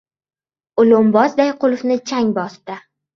Lo‘mbozday qulfni chang bosdi.